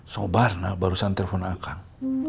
sobarna barusan telepon a kang